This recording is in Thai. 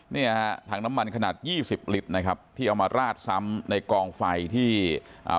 เนี่ยฮะถังน้ำมันขนาดยี่สิบลิตรนะครับที่เอามาราดซ้ำในกองไฟที่อ่า